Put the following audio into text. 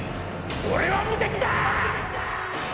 俺は無敵だ！